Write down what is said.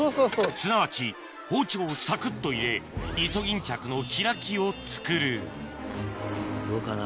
すなわち包丁をサクっと入れイソギンチャクの開きを作るどうかな？